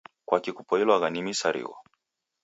Kwaki kupoilwa ni misarigho